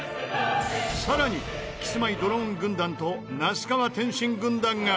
さらにキスマイ・ドローン軍団と那須川天心軍団が。